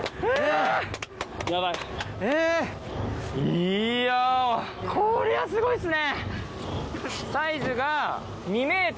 いやこりゃすごいっすね！